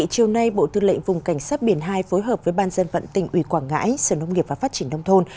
chiều nay bộ tư lệnh vùng cảnh sát biển hai phối hợp với ban dân vận tình uy quảng ngãi sở nông nghiệp và phát triển đông thôn